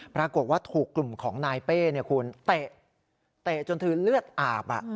ปรากฏว่าถูกกลุ่มของนายเป้คุณเตะจนเธอเลือดอาบ